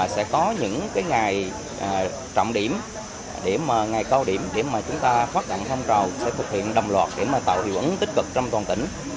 sẽ có những ngày trọng điểm ngày cao điểm để chúng ta phát đẳng phong trào sẽ thực hiện đồng loạt để tạo hiệu ứng tích cực trong toàn tỉnh